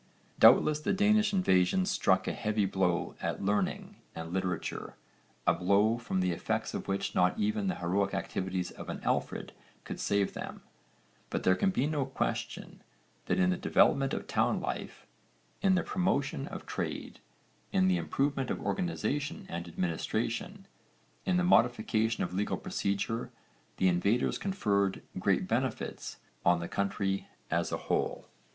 Doubtless the Danish invasions struck a heavy blow at learning and literature, a blow from the effects of which not even the heroic activities of an Alfred could save them, but there can be no question that in the development of town life, in the promotion of trade, in the improvement of organisation and administration, in the modification of legal procedure the invaders conferred great benefits on the country as a whole.